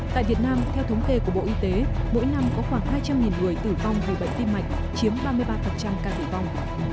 tại việt nam theo thống kê của bộ y tế mỗi năm có khoảng hai trăm linh người tử vong vì bệnh tim mạch chiếm ba mươi ba ca tử vong